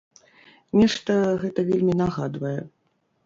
Нешта гэта вельмі нагадвае.